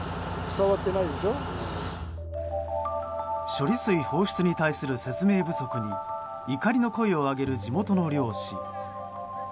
処理水放出に対する説明不足に怒りの声を上げる地元の漁師。